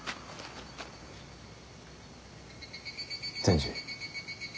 善児。